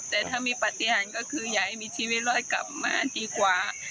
แต่ถ้ามีปฏิหารก็คืออยากให้มีชีวิตรอดกลับมาดีกว่า